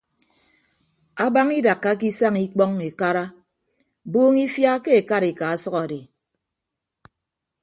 Abañ idakkake isañ ikpọñ ikara buuñ ifia ke ekarika ọsʌk adi.